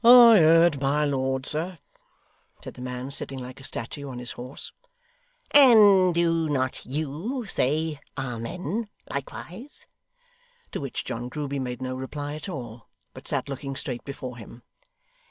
'I heard my lord, sir,' said the man, sitting like a statue on his horse. 'And do not YOU say Amen, likewise?' To which John Grueby made no reply at all, but sat looking straight before him.